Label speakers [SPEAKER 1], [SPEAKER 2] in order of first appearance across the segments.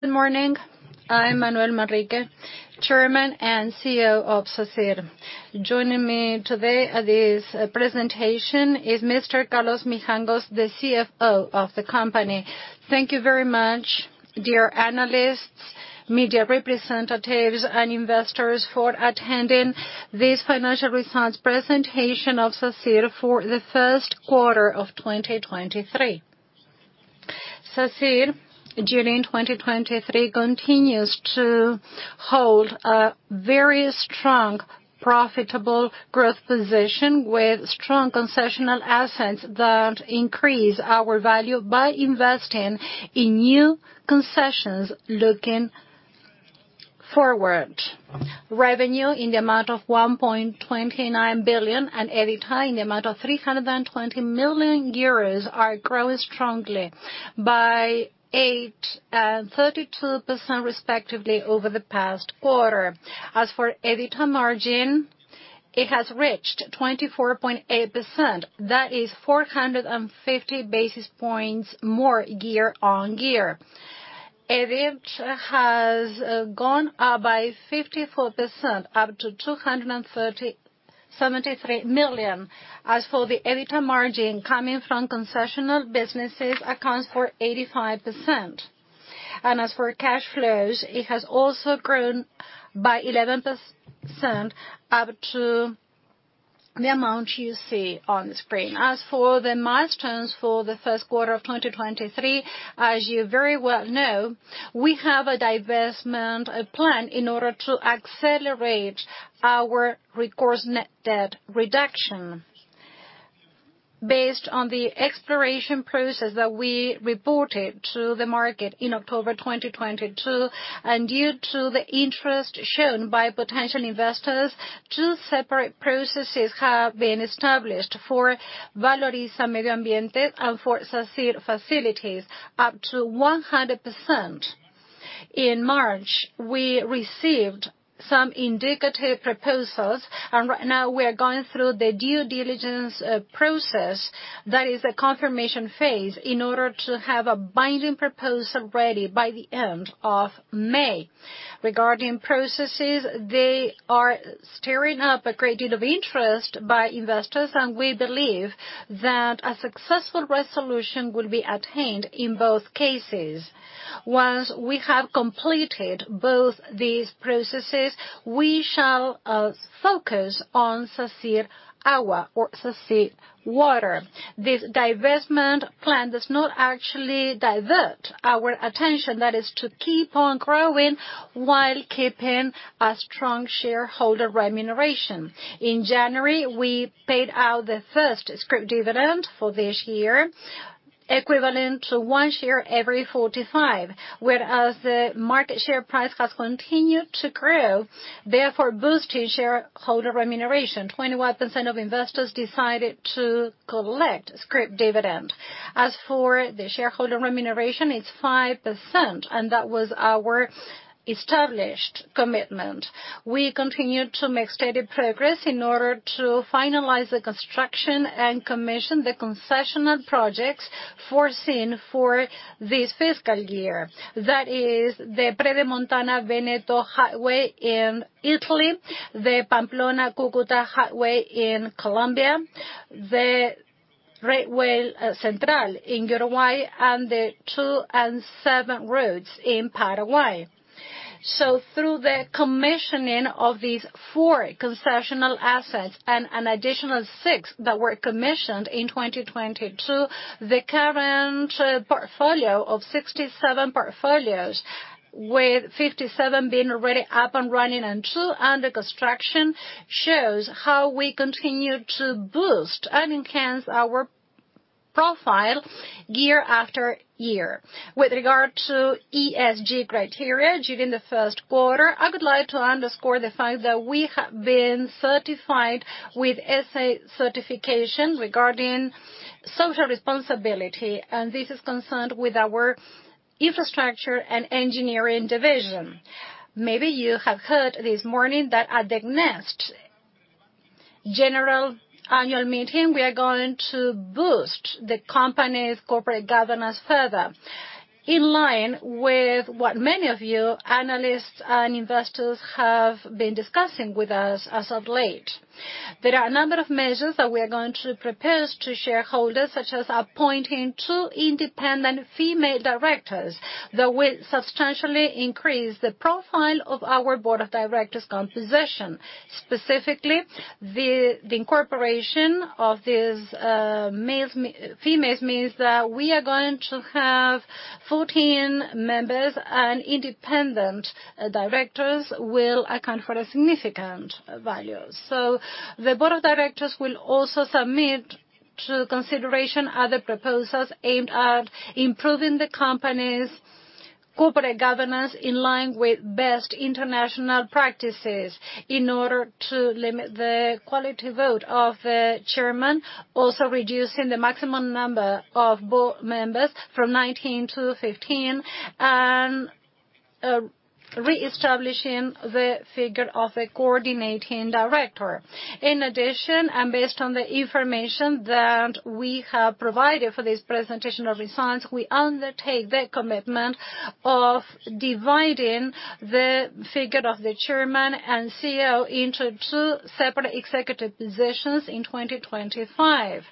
[SPEAKER 1] Good morning. I'm Manuel Manrique, Chairman and CEO of Sacyr. Joining me today at this presentation is Mr. Carlos Mijangos, the CFO of the company.
[SPEAKER 2] Thank you very much, dear analysts, media representatives, and investors for attending this financial results presentation of Sacyr for the first quarter of 2023. Sacyr, during 2023, continues to hold a very strong, profitable growth position with strong concessional assets that increase our value by investing in new concessions looking forward. Revenue in the amount of 1.29 billion and EBITDA in the amount of 320 million euros are growing strongly by 8% and 32% respectively over the past quarter. As for EBITDA margin, it has reached 24.8%. That is 450 basis points more year-on-year. EBIT has gone up by 54% up to [273 million]. As for the EBITDA margin coming from concessional businesses accounts for 85%. As for cash flows, it has also grown by 11% up to the amount you see on the screen. As for the milestones for the first quarter of 2023, as you very well know, we have a divestment plan in order to accelerate our recourse net debt reduction. Based on the exploration process that we reported to the market in October 2022, due to the interest shown by potential investors, two separate processes have been established for Valoriza Medioambiente and for Sacyr Facilities up to 100%. In March, we received some indicative proposals, and right now we are going through the due diligence process that is a confirmation phase in order to have a binding proposal ready by the end of May. Regarding processes, they are stirring up a great deal of interest by investors, and we believe that a successful resolution will be attained in both cases. Once we have completed both these processes, we shall focus on Sacyr Agua or Sacyr Water. This divestment plan does not actually divert our attention. That is to keep on growing while keeping a strong shareholder remuneration. In January, we paid out the first scrip dividend for this year, equivalent to one share every 45, whereas the market share price has continued to grow, therefore boosting shareholder remuneration. 21% of investors decided to collect scrip dividend. As for the shareholder remuneration, it's 5%, and that was our established commitment. We continue to make steady progress in order to finalize the construction and commission the concessional projects foreseen for this fiscal year. That is the Pedemontana-Veneta Highway in Italy, the Pamplona-Cúcuta Highway in Colombia, the Ferrocarril Central in Uruguay, and the two and seven routes in Paraguay. Through the commissioning of these four concessional assets and an additional six that were commissioned in 2022, the current portfolio of 67 portfolios, with 57 being already up and running and two under construction, shows how we continue to boost and enhance our profile year after year. With regard to ESG criteria during the first quarter, I would like to underscore the fact that we have been certified with SA certification regarding social responsibility, and this is concerned with our infrastructure and engineering division. Maybe you have heard this morning that at the next general annual meeting, we are going to boost the company's corporate governance further. In line with what many of you analysts and investors have been discussing with us as of late. There are a number of measures that we are going to propose to shareholders, such as appointing two independent female directors that will substantially increase the profile of our board of directors composition. Specifically, the incorporation of these males, females means that we are going to have 14 members, and independent directors will account for a significant value. The board of directors will also submit to consideration other proposals aimed at improving the company's corporate governance in line with best international practices in order to limit the quality vote of the chairman, also reducing the maximum number of board members from 19 to 15 and reestablishing the figure of a coordinating director. Based on the information that we have provided for this presentation of results, we undertake the commitment of dividing the figure of the Chairman and CEO into two separate executive positions in 2025.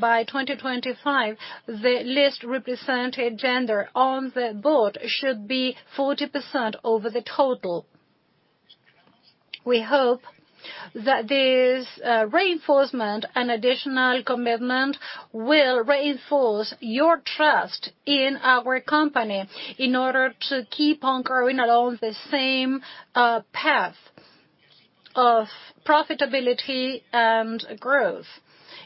[SPEAKER 2] By 2025, the least represented gender on the board should be 40% over the total. We hope that this reinforcement and additional commitment will reinforce your trust in our company in order to keep on growing along the same path of profitability and growth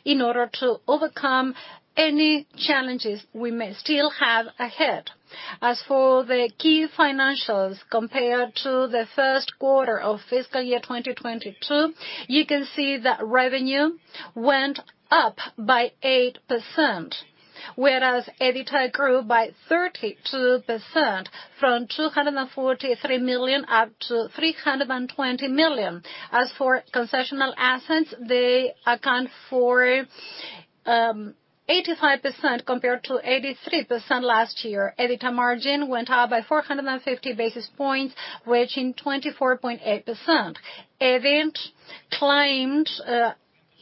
[SPEAKER 2] in order to overcome any challenges we may still have ahead. As for the key financials, compared to the first quarter of fiscal year 2022, you can see that revenue went up by 8%, whereas EBITDA grew by 32% from 243 million up to 320 million. As for concessional assets, they account for 85% compared to 83% last year. EBITDA margin went up by 450 basis points, reaching 24.8%. EBIT climbed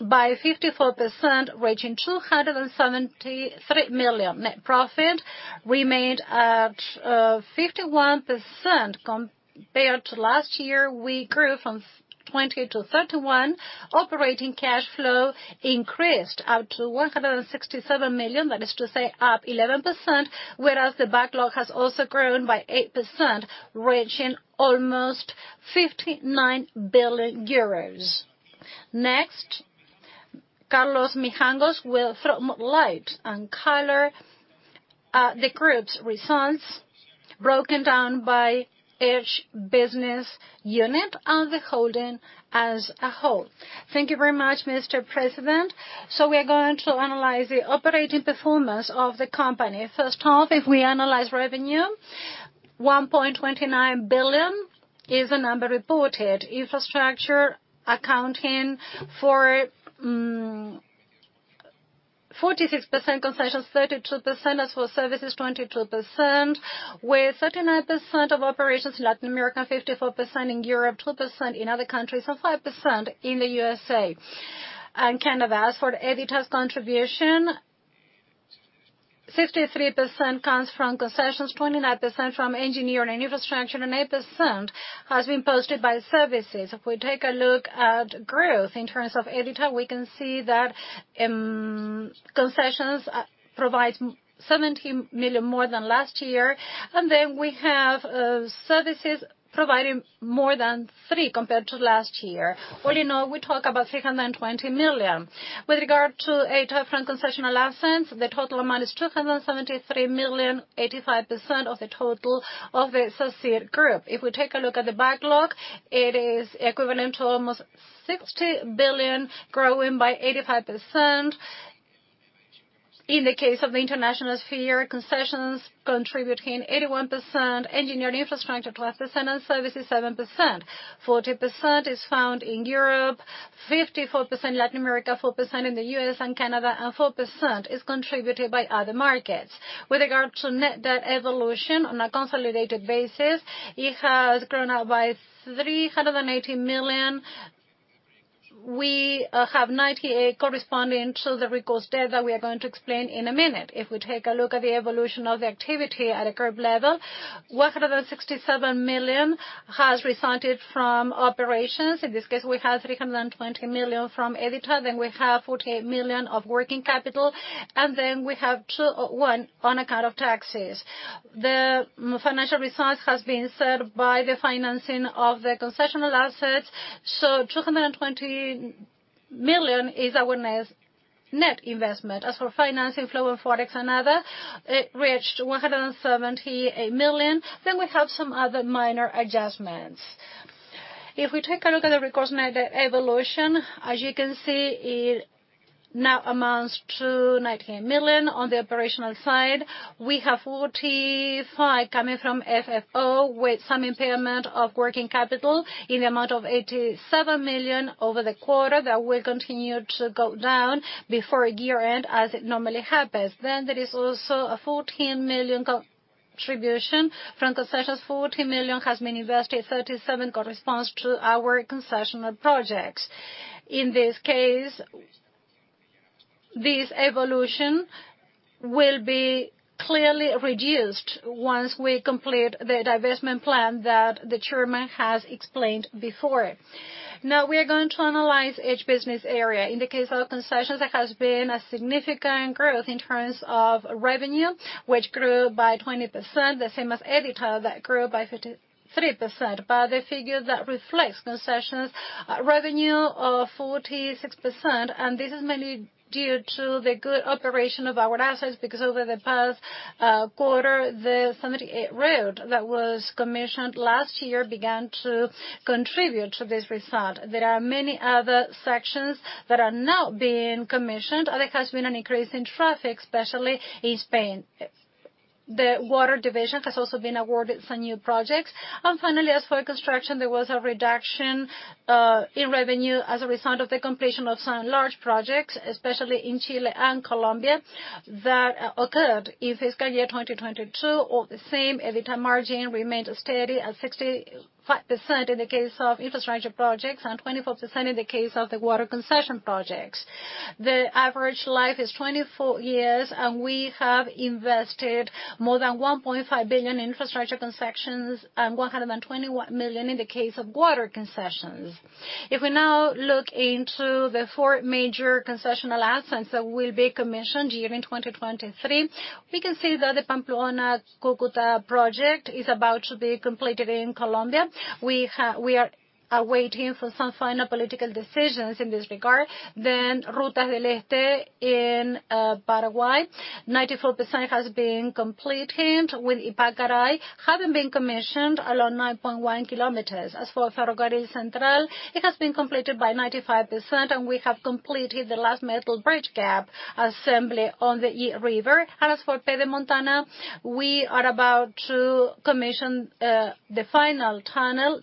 [SPEAKER 2] by 54%, reaching 273 million. Net profit remained at 51% compared to last year. We grew from 20 to 31. Operating cash flow increased up to 167 million, that is to say up 11%, whereas the backlog has also grown by 8%, reaching almost 59 billion euros. Next, Carlos Mijangos will throw more light and color at the group's results broken down by each business unit and the holding as a whole. Thank you very much, Mr. President. We are going to analyze the operating performance of the company. First half, if we analyze revenue, 1.29 billion is the number reported. Infrastructure accounting for 46%, concessions 32%. As for services, 22%, with 39% of operations in Latin America, 54% in Europe, 2% in other countries, and 5% in the USA and Canada. As for the EBITDA's contribution, 63% comes from concessions, 29% from engineering infrastructure, and 8% has been posted by services. If we take a look at growth in terms of EBITDA, we can see that concessions provide 70 million more than last year. We have services providing more than 3 million compared to last year. All in all, we talk about 320 million. With regard to [ATIF] and concessional assets, the total amount is 273 million, 85% of the total of the associate group. If we take a look at the backlog, it is equivalent to almost 60 billion, growing by 85%. In the case of the international sphere, concessions contributing 81%, engineering infrastructure plus the center services 7%. 40% is found in Europe, 54% in Latin America, 4% in the U.S. and Canada, and 4% is contributed by other markets. With regard to net debt evolution on a consolidated basis, it has grown up by 380 million. We have 98 million corresponding to the recourse debt that we are going to explain in a minute. If we take a look at the evolution of the activity at a group level, 167 million has resulted from operations. In this case, we have 320 million from EBITDA. We have 48 million of working capital, and we have 1 on account of taxes. The financial results has been served by the financing of the concessional assets, so 220 million is our net investment. For financing flow and Forex and other, it reached 178 million. We have some other minor adjustments. If we take a look at the recourse net debt evolution, as you can see, it now amounts to EUR 19 million. -- In this case, this evolution will be clearly reduced once we complete the divestment plan that the chairman has explained before. Now we are going to analyze each business area. In the case of concessions, there has been a significant growth in terms of revenue, which grew by 20%, the same as EBITDA that grew by 33%. The figure that reflects concessions, revenue of 46%, and this is mainly due to the good operation of our assets because over the past quarter, the 78 road that was commissioned last year began to contribute to this result. There are many other sections that are now being commissioned, and there has been an increase in traffic, especially in Spain. The water division has also been awarded some new projects. Finally, as for construction, there was a reduction in revenue as a result of the completion of some large projects, especially in Chile and Colombia, that occurred in fiscal year 2022. The same EBITDA margin remained steady at 65% in the case of infrastructure projects, and 24% in the case of the water concession projects. The average life is 24 years, and we have invested more than 1.5 billion infrastructure concessions and 121 million in the case of water concessions. If we now look into the four major concessional assets that will be commissioned during 2023, we can see that the Pamplona-Cúcuta project is about to be completed in Colombia. We are awaiting for some final political decisions in this regard. Rutas del Este in Paraguay, 94% has been completed, with Ypacaraí having been commissioned along 9.1 km. As for Ferrocarril Central, it has been completed by 95%, and we have completed the last metal bridge gap assembly on the I River. As for Pedemontana, we are about to commission the final tunnel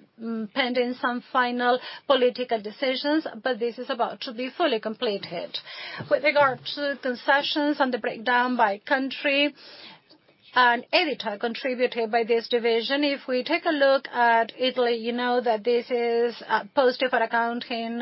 [SPEAKER 2] pending some final political decisions, but this is about to be fully completed. With regard to concessions and the breakdown by country and EBITDA contributed by this division, if we take a look at Italy, you know that this is posted for accounting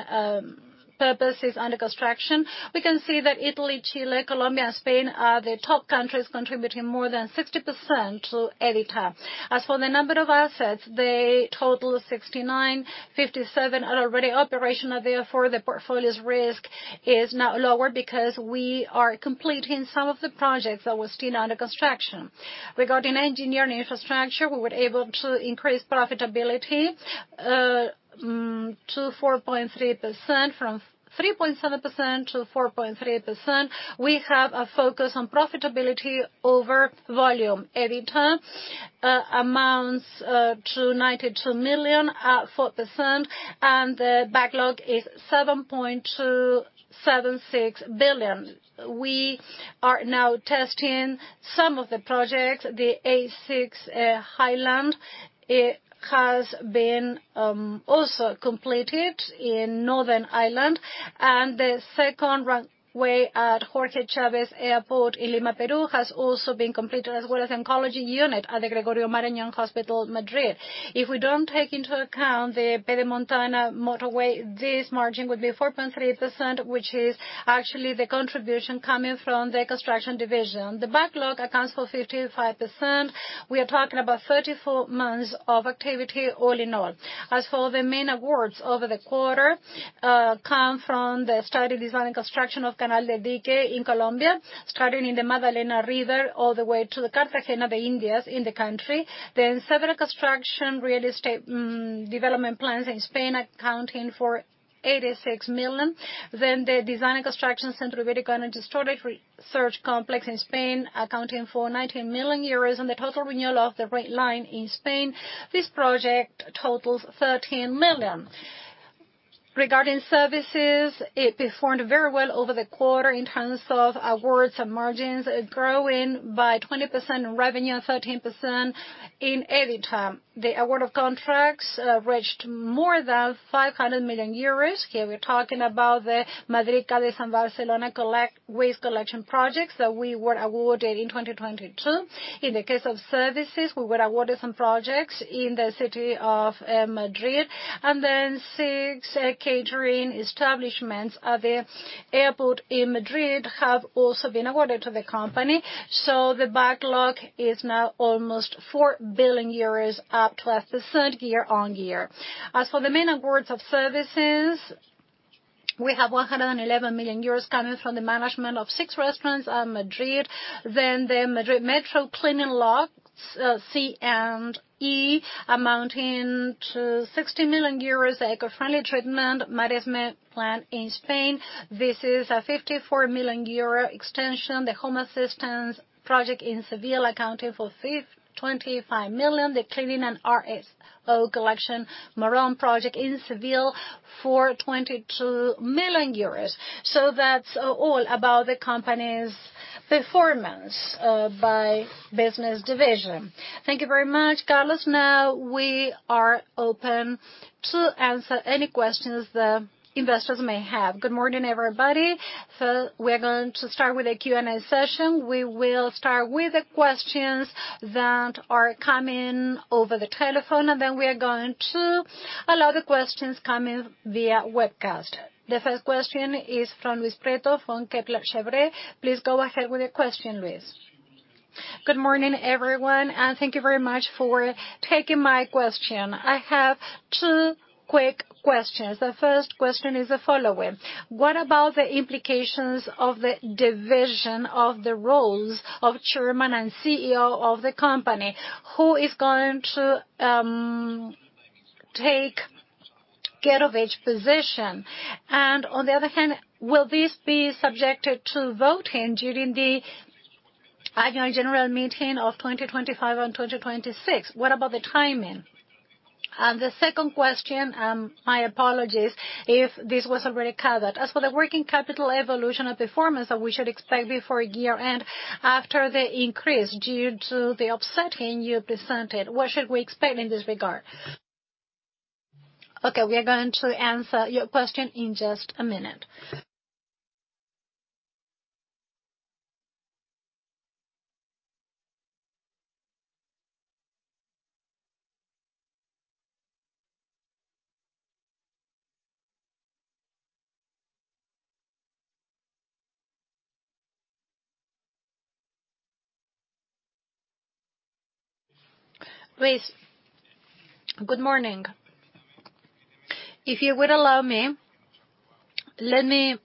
[SPEAKER 2] purposes under construction. We can see that Italy, Chile, Colombia, and Spain are the top countries contributing more than 60% to EBITDA. As for the number of assets, they total 69. 57 are already operational, therefore the portfolio's risk is now lower because we are completing some of the projects that were still under construction. Regarding engineering infrastructure, we were able to increase profitability to 4.3%, from 3.7% to 4.3%. We have a focus on profitability over volume. EBITDA amounts to 92 million at 4%, and the backlog is 7.276 billion. We are now testing some of the projects. The A6 Highland has been also completed in Northern Ireland. The second runway at Jorge Chávez Airport in Lima, Peru, has also been completed, as well as oncology unit at the Gregorio Marañón Hospital, Madrid. If we don't take into account the Pedemontana-Veneta Highway, this margin would be 4.3%, which is actually the contribution coming from the construction division. The backlog accounts for 55%. We are talking about 34 months of activity all in all. As for the main awards over the quarter, come from the study, design, and construction of Canal del Dique in Colombia, starting in the Magdalena River all the way to the Cartagena de Indias in the country. Several construction real estate development plans in Spain accounting for 86 million. The design and construction Centro Bitácora Historic Research Complex in Spain accounting for 19 million euros, and the total renewal of the Red Line in Spain. This project totals 13 million. Regarding services, it performed very well over the quarter in terms of awards and margins, growing by 20% in revenue and 13% in EBITDA. The award of contracts reached more than 500 million euros. Here we're talking about the Madrid, Cádiz, and Barcelona waste collection projects that we were awarded in 2022. In the case of services, we were awarded some projects in the city of Madrid. Six catering establishments at the airport in Madrid have also been awarded to the company. The backlog is now almost 4 billion euros, up 12% year-on-year. As for the main awards of services, we have 111 million euros coming from the management of six restaurants at Madrid. The Madrid Metro cleaning lots C and E, amounting to 60 million euros. The eco-friendly treatment management plant in Spain, this is a 54 million euro extension. The home assistance project in Seville accounting for 25 million. The cleaning and RSU collection Morón project in Seville for 22 million euros. That's all about the company's performance by business division.
[SPEAKER 3] Thank you very much, Carlos. Now we are open to answer any questions the investors may have. Good morning, everybody. We're going to start with the Q&A session. We will start with the questions that are coming over the telephone, then we are going to allow the questions coming via webcast. The first question is from Luis Prieto from Kepler Cheuvreux. Please go ahead with your question, Luis.
[SPEAKER 4] Good morning, everyone, thank you very much for taking my question. I have two quick questions. The first question is the following: What about the implications of the division of the roles of chairman and CEO of the company? Who is going to take [Gorozarri's] position? On the other hand, will this be subjected to voting during the annual general meeting of 2025 and 2026? What about the timing? The second question, my apologies if this was already covered. As for the working capital evolution and performance that we should expect before year-end, after the increase due to the offsetting you presented, what should we expect in this regard?
[SPEAKER 1] Okay, we are going to answer your question in just a minute. Luis, good morning. If you would allow me, let me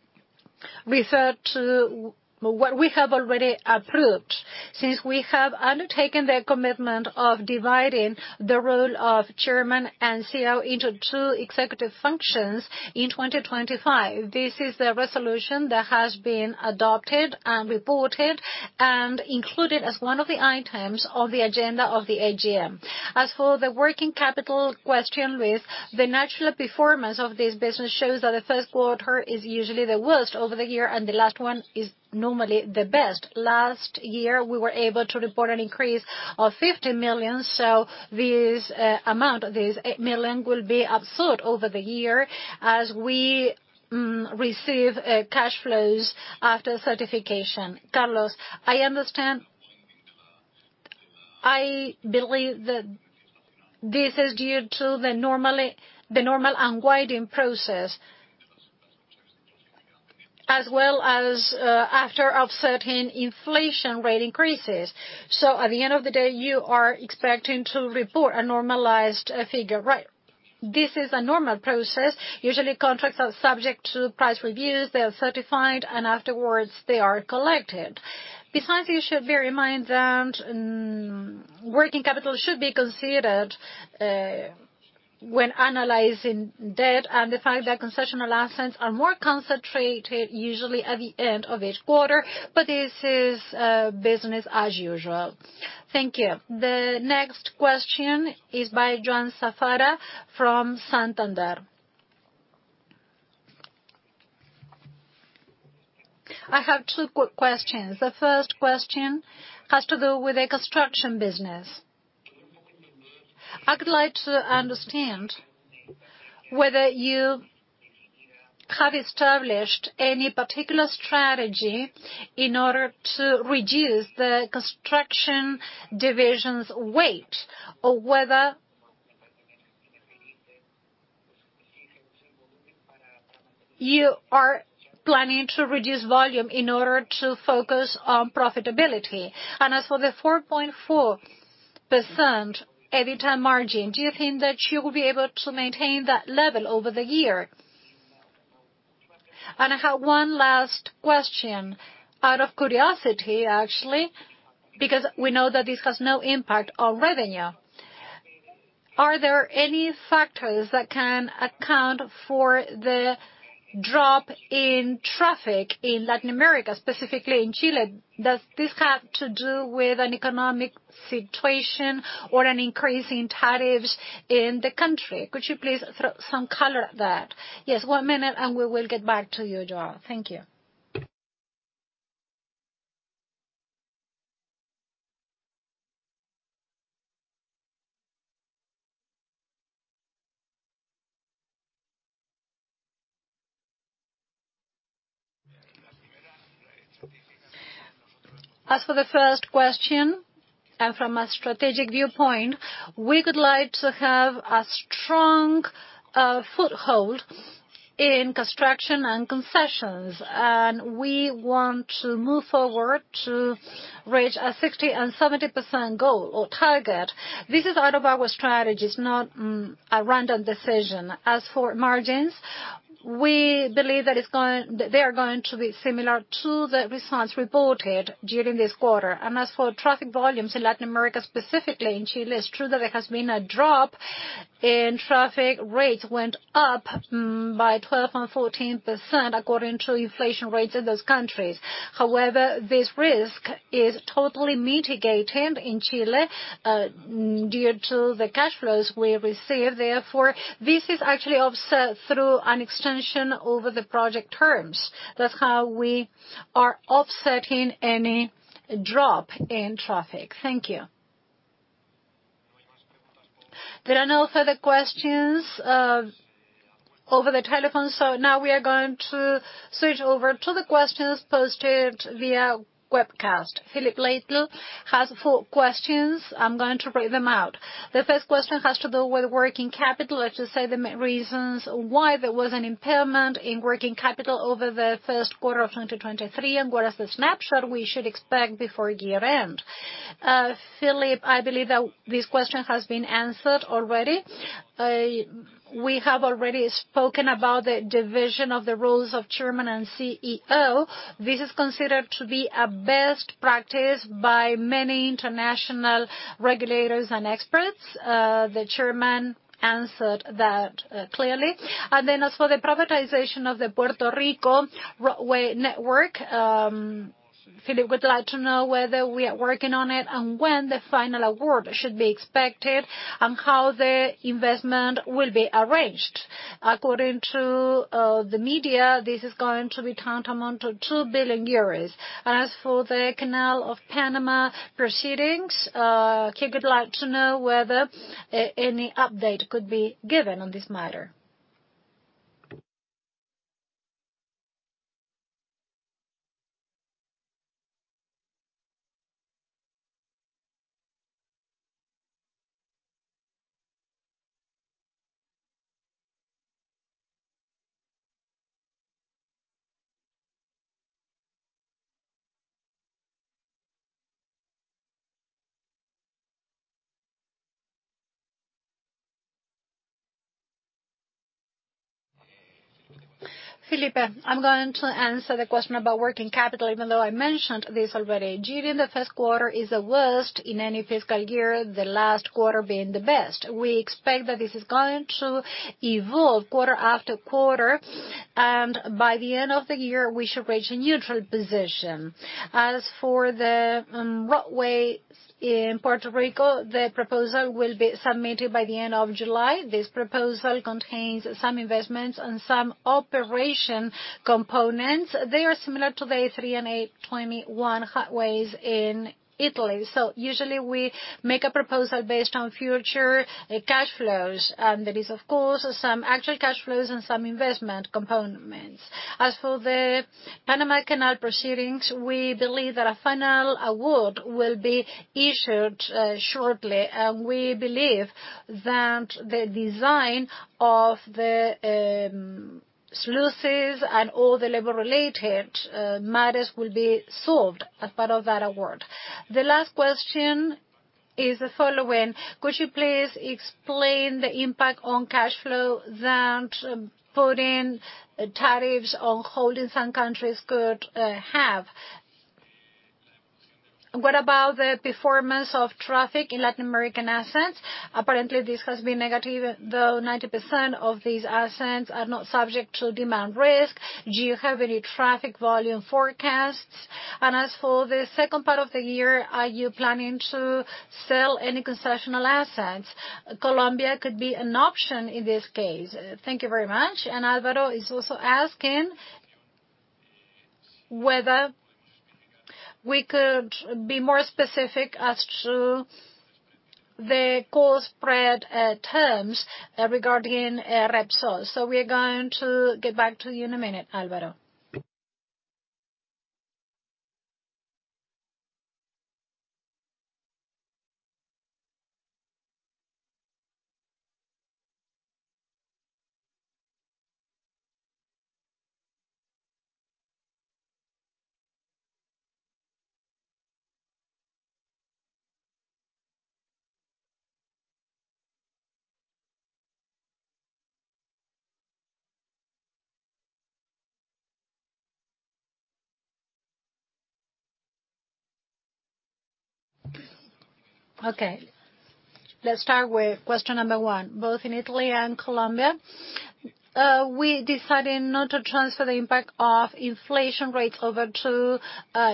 [SPEAKER 1] refer to what we have already approved. Since we have undertaken the commitment of dividing the role of chairman and CEO into two executive functions in 2025. This is the resolution that has been adopted and reported, and included as one of the items on the agenda of the AGM.
[SPEAKER 2] As for the working capital question, Luis, the natural performance of this business shows that the first quarter is usually the worst over the year, and the last one is normally the best. Last year, we were able to report an increase of 50 million, so this amount will be absorbed over the year as we receive cash flows after certification.
[SPEAKER 4] Carlos, I believe that this is due to the normal unwinding process. As well as after offsetting inflation rate increases. At the end of the day, you are expecting to report a normalized figure, right?
[SPEAKER 2] This is a normal process. Usually contracts are subject to price reviews. They are certified, afterwards they are collected. Besides, you should bear in mind that working capital should be considered when analyzing debt and the fact that concessional assets are more concentrated usually at the end of each quarter. This is business as usual. Thank you.
[SPEAKER 3] The next question is by João Safara from Banco Santander.
[SPEAKER 5] I have two questions. The first question has to do with the construction business. I would like to understand whether you have established any particular strategy in order to reduce the construction division's weight or whether you are planning to reduce volume in order to focus on profitability. As for the 4.4% EBITDA margin, do you think that you will be able to maintain that level over the year? I have one last question, out of curiosity actually, because we know that this has no impact on revenue. Are there any factors that can account for the drop in traffic in Latin America, specifically in Chile? Does this have to do with an economic situation or an increase in tariffs in the country? Could you please throw some color at that?
[SPEAKER 2] Yes, one minute and we will get back to you, João Safara. Thank you. As for the first question, and from a strategic viewpoint, we would like to have a strong foothold in construction and concessions. We want to move forward to reach a 60% and 70% goal or target. This is out of our strategies, not a random decision. As for margins, we believe that they are going to be similar to the results reported during this quarter.
[SPEAKER 1] As for traffic volumes in Latin America, specifically in Chile, it's true that there has been a drop, and traffic rates went up by 12% and 14% according to inflation rates in those countries. However, this risk is totally mitigated in Chile due to the cash flows we receive. This is actually offset through an extension over the project terms. That's how we are offsetting any drop in traffic. Thank you.
[SPEAKER 3] There are no further questions over the telephone. Now we are going to switch over to the questions posted via webcast. Filipe Leite has 4 questions. I'm going to read them out. The first question has to do with working capital. Let's just say the reasons why there was an impairment in working capital over the first quarter of 2023. What is the snapshot we should expect before year-end? Filipe, I believe that this question has been answered already. We have already spoken about the division of the roles of chairman and CEO. This is considered to be a best practice by many international regulators and experts. The chairman answered that clearly. As for the privatization of the Puerto Rico roadway network, Filipe would like to know whether we are working on it, and when the final award should be expected, and how the investment will be arranged. According to the media, this is going to be tantamount to 2 billion euros. As for the Canal of Panama proceedings, he would like to know whether any update could be given on this matter.
[SPEAKER 2] Filipe, I'm going to answer the question about working capital, even though I mentioned this already. During the first quarter is the worst in any fiscal year, the last quarter being the best. We expect that this is going to evolve quarter after quarter, and by the end of the year, we should reach a neutral position. As for the roadway in Puerto Rico, the proposal will be submitted by the end of July. This proposal contains some investments and some operation components. They are similar to the A3 and A21 highways in Italy. Usually we make a proposal based on future cash flows. There is of course, some actual cash flows and some investment components. As for the Panama Canal proceedings, we believe that a final award will be issued shortly. We believe that the design of the solutions and all the labor-related matters will be solved as part of that award.
[SPEAKER 3] The last question is the following: Could you please explain the impact on cash flow that putting tariffs on hold in some countries could have? What about the performance of traffic in Latin American assets? Apparently, this has been negative, though 90% of these assets are not subject to demand risk. Do you have any traffic volume forecasts? As for the second part of the year, are you planning to sell any concessional assets? Colombia could be an option in this case. Thank you very much.
[SPEAKER 1] Alvaro is also asking whether we could be more specific as to the call spread terms regarding Repsol. We are going to get back to you in a minute, Alvaro. Okay. Let's start with question number 1. Both in Italy and Colombia, we decided not to transfer the impact of inflation rates over to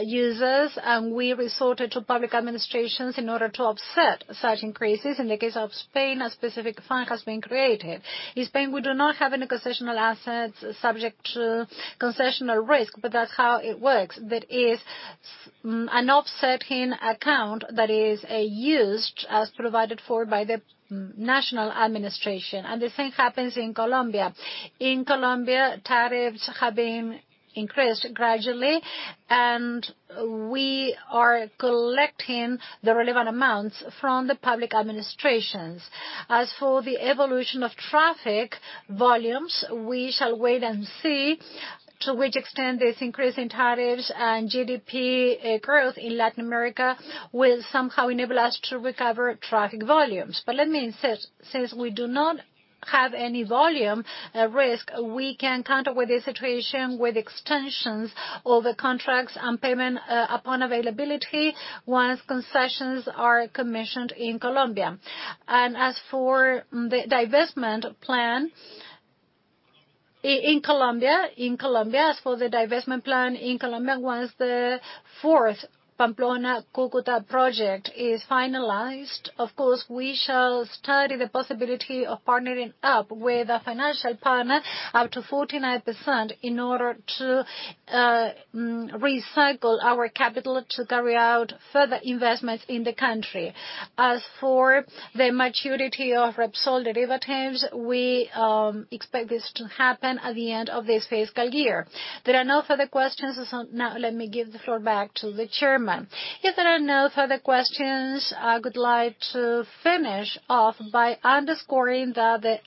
[SPEAKER 1] users, and we resorted to public administrations in order to offset such increases. In the case of Spain, a specific fund has been created. In Spain, we do not have any concessional assets subject to concessional risk, but that's how it works. There is an offsetting account that is used as provided for by the national administration, and the same happens in Colombia. In Colombia, tariffs have been increased gradually, and we are collecting the relevant amounts from the public administrations. As for the evolution of traffic volumes, we shall wait and see to which extent this increase in tariffs and GDP growth in Latin America will somehow enable us to recover traffic volumes. Let me insist, since we do not have any volume risk, we can counter with the situation with extensions or the contracts and payment upon availability once concessions are commissioned in Colombia. As for the divestment plan in Colombia, once the fourth Pamplona-Cúcuta project is finalized, of course, we shall study the possibility of partnering up with a financial partner up to 49% in order to recycle our capital to carry out further investments in the country. As for the maturity of Repsol derivatives, we expect this to happen at the end of this fiscal year.
[SPEAKER 3] There are no further questions, now let me give the floor back to the Chairman.
[SPEAKER 1] If there are no further questions, I would like to finish off by underscoring that the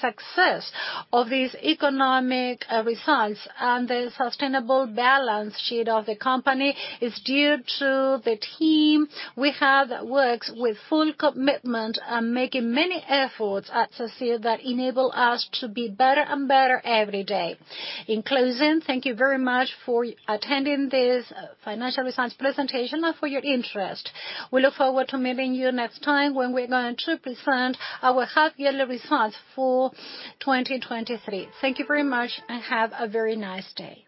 [SPEAKER 1] success of these economic results and the sustainable balance sheet of the company is due to the team we have that works with full commitment and making many efforts at Sacyr that enable us to be better and better every day. In closing, thank you very much for attending this financial results presentation and for your interest. We look forward to meeting you next time when we're going to present our half-yearly results for 2023. Thank you very much, have a very nice day.